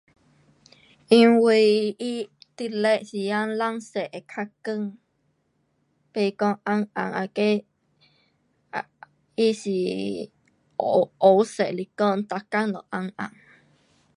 因为天亮时间蓝色会较亮，不讲暗暗那个。um 它是黑色来讲每天都暗暗。